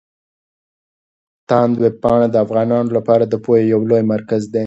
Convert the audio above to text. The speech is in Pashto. تاند ویبپاڼه د افغانانو لپاره د پوهې يو لوی مرکز دی.